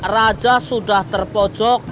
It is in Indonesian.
raja sudah terpojok